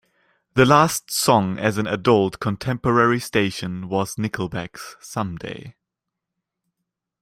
The last song as an adult contemporary station was Nickelback's "Someday".